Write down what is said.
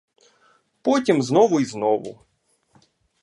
Потім знову й знову.